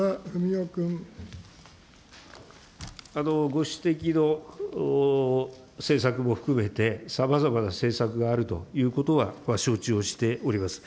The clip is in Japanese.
ご指摘の政策も含めて、さまざまな政策があるということは承知をしております。